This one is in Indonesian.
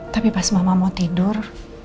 tapi pas mama mau tidur